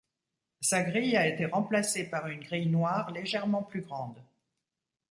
Sa grille a été remplacée par une grille noire légèrement plus grande.